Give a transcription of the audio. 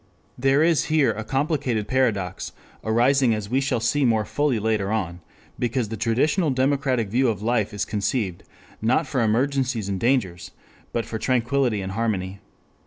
There is here a complicated paradox, arising as we shall see more fully later on, because the traditional democratic view of life is conceived, not for emergencies and dangers, but for tranquillity and harmony.